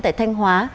tại thanh hóa